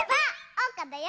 おうかだよ！